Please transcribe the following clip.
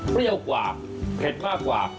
เปรี้ยวกว่าเผ็ดมากกว่า